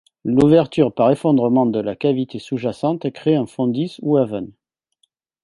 L'ouverture par effondrement de la cavité sous-jacente crée un fontis ou aven.